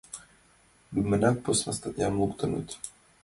Лӱмынак посна статьям луктыныт.